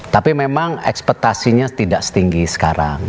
tapi memang ekspetasinya tidak setinggi sekarang